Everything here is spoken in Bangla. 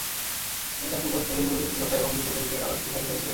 তিনি তার পূর্ব প্রদেশগুলিতে প্রতিরক্ষা এবং দুর্গগুলিকে আরও শক্তিশালী করেছিলেন।